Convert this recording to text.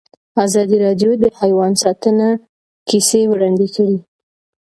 ازادي راډیو د حیوان ساتنه کیسې وړاندې کړي.